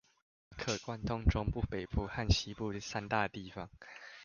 可貫通中部、北部和西部三大地方